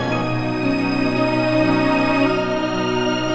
sampai ketemu lagi